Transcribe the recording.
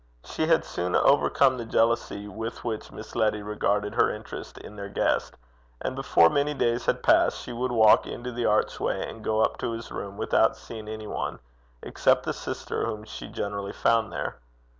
She had soon overcome the jealousy with which Miss Letty regarded her interest in their guest, and before many days had passed she would walk into the archway and go up to his room without seeing any one, except the sister whom she generally found there.